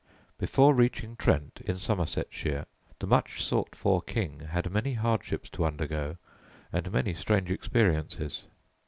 Before reaching Trent, in Somersetshire, the much sought for king had many hardships to undergo and many strange experiences.